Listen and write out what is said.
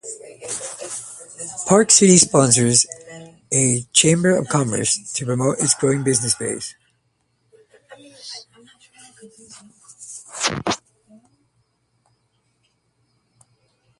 Park City sponsors a Chamber of Commerce to promote its growing business base.